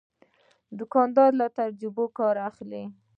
دوکاندار له تجربې کار اخلي.